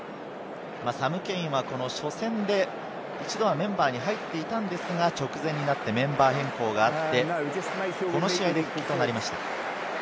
サム・ケインは初戦で一度はメンバーに入っていたんですが、直前になってメンバー変更があって、この試合で復帰となりました。